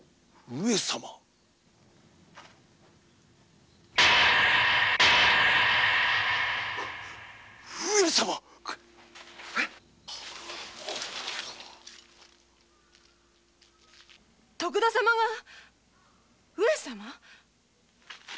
ウ上様徳田様が「上様」！？